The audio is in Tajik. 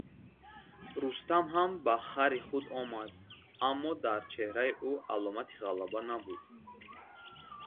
Рустам ҳам бо хари худ омад, аммо дар чеҳраи ӯ аломати ғалаба набуд.